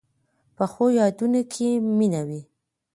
پخو یادونو کې مینه وي